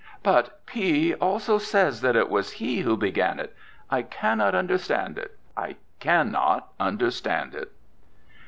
"But P also says that it was he who began it. I cannot understand it. I cannot understand it."